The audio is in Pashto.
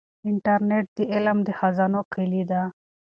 انټرنیټ د علم د خزانو کلي ده.